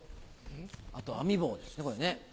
あと編み棒ですねこれ。